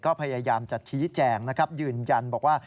ก็พยายามจะชี้แจงยืนยันบอกว่า